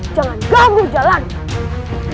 jangan ganggu jalanku